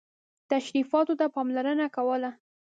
تشریفاتو ته پاملرنه کوله.